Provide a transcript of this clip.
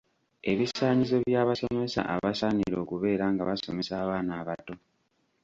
Ebisaanyizo by’abasomesa abasaanira okubeera nga basomesa abaana abato.